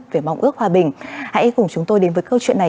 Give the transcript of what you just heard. về mong ước hòa bình hãy cùng chúng tôi đến với câu chuyện này